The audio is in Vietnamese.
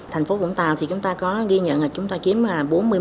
thành phố vũng tàu thì chúng ta có ghi nhận là chúng ta kiếm là bốn mươi một